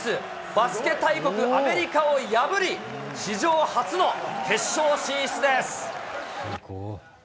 バスケ大国、アメリカを破り、史上初の決勝進出です。